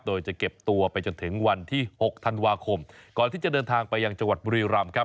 โดยจะเก็บตัวไปจนถึงวันที่๖ธันวาคมก่อนที่จะเดินทางไปยังจังหวัดบุรีรำครับ